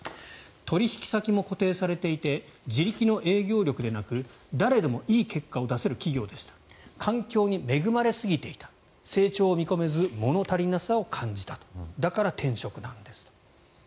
取引先も固定されていて自力の営業力でなく誰でもいい結果を出せる企業でした環境に恵まれすぎていた成長を見込めず物足りなさを感じただから転職なんですと。